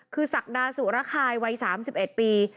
คือศักดาสุระคายวัย๓๑ปี